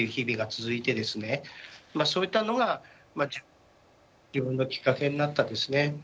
まあそういったのがまあ自分のきっかけになったんですね。